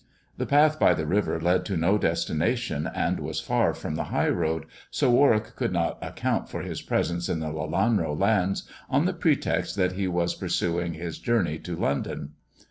The path by the river led to no destination, and was far from the high road, so Warwick could not account for his presence in the Lelanro lands on the pretext that he was pursuing his journey to London.